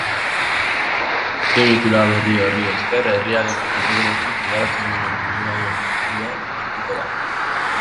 Azpiegitura berri horri esker herriaren erdigunetik igarotzen diren ibilgailuen kopurua gutxituko da.